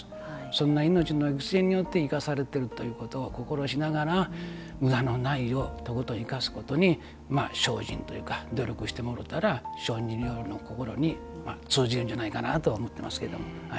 そんな命の犠牲によって生かされているということを心しながらむだのないようとことん生かすように精進というか、努力してもろたら精進料理の心に通じるんじゃないかなと思いますが。